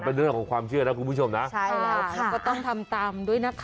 สวัสดีครับ